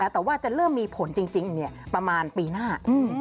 แต่ว่าจะเริ่มมีผลจริงประมาณปีหน้า